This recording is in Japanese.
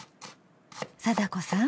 貞子さん